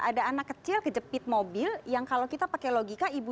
ada anak kecil kejepit mobil yang kalau kita pakai logika ibu